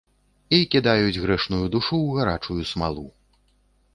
І кідаюць грэшную душу ў гарачую смалу.